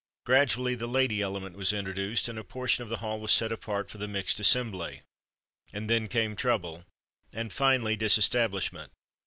Gradually the "lady element" was introduced, and a portion of the hall was set apart for the mixed assembly. And then came trouble, and, finally, disestablishment.